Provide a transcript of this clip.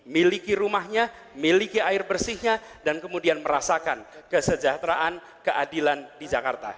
miliki rumahnya miliki air bersihnya dan kemudian merasakan kesejahteraan keadilan di jakarta